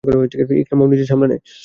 ইকরামাও নিজেকে সামলে নেয়।